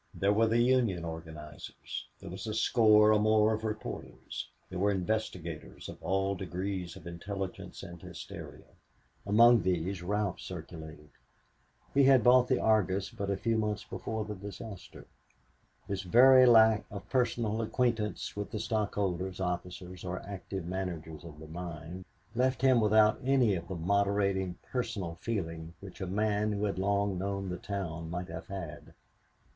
There were the Union organizers; there was a score or more of reporters; there were investigators of all degrees of intelligence and hysteria. Among these Ralph circulated. He had bought the Argus but a few months before the disaster. His very lack of personal acquaintance with the stockholders, officers or active managers of the mine left him without any of the moderating personal feeling which a man who had long known the town might have had.